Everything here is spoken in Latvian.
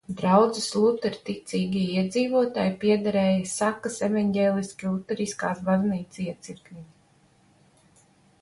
Draudzes luterticīgie iedzīvotāji piederēja Sakas evaņģeliski luteriskās baznīcas iecirknim.